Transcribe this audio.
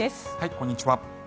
こんにちは。